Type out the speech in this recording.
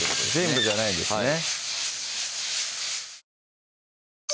全部じゃないんですね